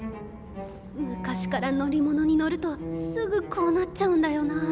昔から乗り物に乗るとすぐこうなっちゃうんだよなあ。